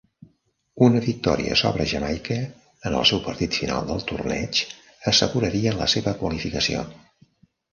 Una victòria sobre Jamaica en el seu partit final del torneig asseguraria la seva qualificació.